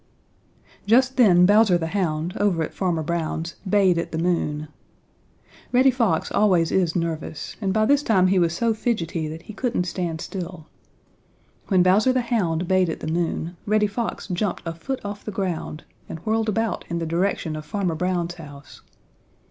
Just then Bowser the Hound, over at Farmer Brown's, bayed at the moon. Reddy Fox always is nervous and by this time he was so fidgety that he couldn't stand still. When Bowser the Hound bayed at the moon Reddy Fox jumped a foot off the ground and whirled about in the direction of Farmer Brown's house.